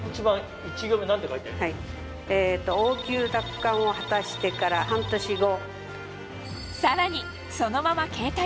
「王宮奪還を果たしてから半年後」。